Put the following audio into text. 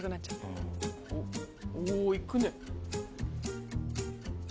おぉいくね。